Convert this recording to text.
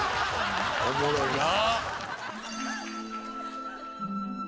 「おもろいな」